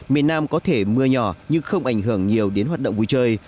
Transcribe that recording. miền nam có thể mưa nhỏ nhưng không ảnh hưởng nhiều đến hoạt động vui chơi